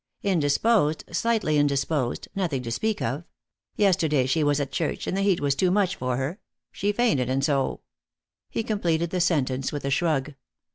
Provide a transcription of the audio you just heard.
"Indisposed slightly indisposed nothing to speak of. Yesterday she was at church, and the heat was too much for her. She fainted, and so " He completed the sentence with a shrug.